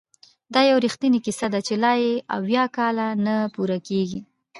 دا یو رښتینې کیسه ده چې لا یې اویا کاله نه پوره کیږي!